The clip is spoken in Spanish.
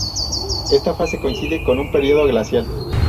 Esta fase coincide con un período glacial.